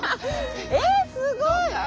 えすごい！